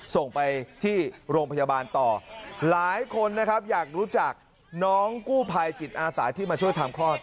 ส่งไปที่โรงพยาบาลต่อหลายคนนะครับอยากรู้จักน้องกู้ภัยจิตอาสาที่มาช่วยทำคลอด